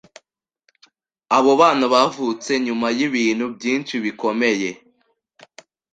Abo bana bavutse nyuma y’ibintu byinshi bikomeye,